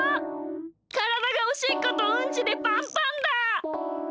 からだがおしっことうんちでパンパンだ！